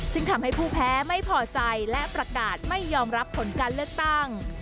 ซึ่งทำให้ผู้แพ้ไม่พอใจและประกาศไม่ยอมรับผลการเลือกตั้ง